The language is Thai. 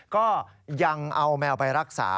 ก็ยังเอาแมวไปรักษา